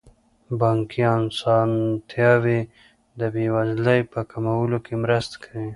بانکي اسانتیاوې د بې وزلۍ په کمولو کې مرسته کوي.